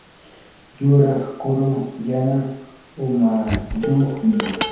yuraq kuru yana umayuqmi.